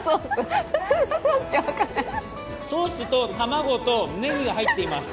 ソースと卵とねぎが入っています。